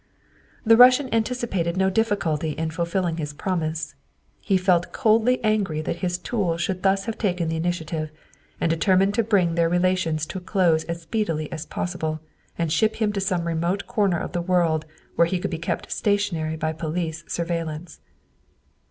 The Russian anticipated no difficulty in fulfilling his promise. He felt coldly angry that his tool should thus have taken the initiative, and determined to bring their relations to a close as speedily as possible, and ship him to some remote corner of the world where he could be kept stationary by police surveillance.